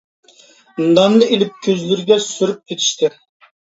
ناننى ئېلىپ كۆزلىرىگە سۈرۈپ كېتىشتى.